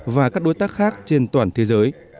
và các đối tác khác trên toàn thế giới